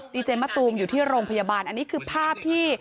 ดีเจมะตูมอยู่ที่โรงพยาบาลอันนี้คือภาพที่